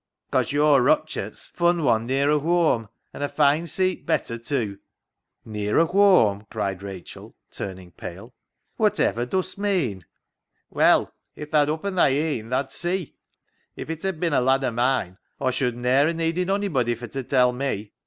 " Cause your Rutchart's fun' one nearer whoam, and a fine seet better tew." " Nearer whoam ?" cried Rachel, turning pale. " Whativer dust meean ?"" Well, if tha'd oppen thy een thaa'd see. If it had bin a lad o' mine Aw should ne'er ha' needed onybody fur t' tell me.